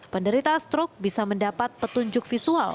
penderita stroke bisa mendapat petunjuk visual